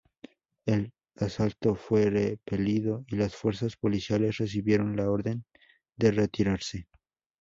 El asalto fue repelido y las fuerzas policiales recibieron la orden de retirarse.